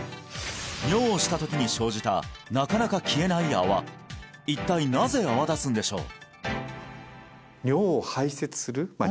尿をしたときに生じたなかなか消えない泡一体なぜ泡立つんでしょう？